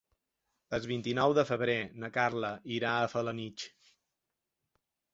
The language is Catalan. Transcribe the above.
El vint-i-nou de febrer na Carla irà a Felanitx.